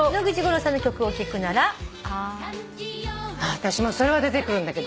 私もそれは出てくるんだけど。